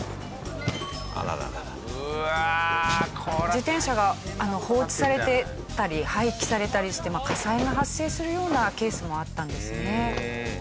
自転車が放置されてたり廃棄されたりして火災が発生するようなケースもあったんですね。